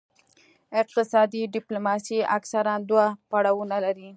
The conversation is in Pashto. اقتصادي ډیپلوماسي اکثراً دوه پړاوونه لري